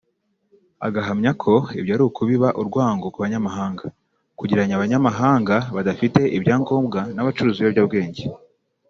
Agahamya ko ibyo ari ukubiba urwango ku banyamahanga kugereranya abanyamahanga badafite ibyangombwa n’abacuruza ibiyobyabwenge